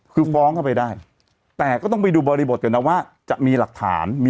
พวกหิงนั่งอยู่ใช่ไหม